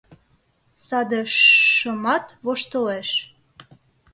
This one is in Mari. Саде «шшшш»-ымат воштылеш!»